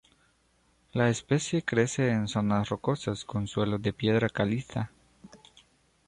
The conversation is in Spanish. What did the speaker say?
La especie crece en zonas rocosas con suelos de piedra caliza.